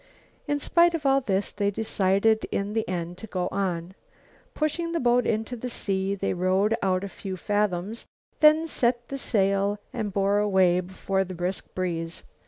In spite of all this, they decided in the end to go on. Pushing the boat into the sea they rowed out a few fathoms, then set the sail and bore away before the brisk breeze.